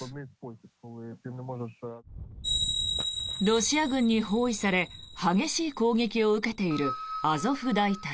ロシア軍に包囲され激しい攻撃を受けているアゾフ大隊。